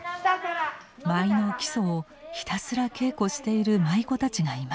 舞の基礎をひたすら稽古している舞妓たちがいました。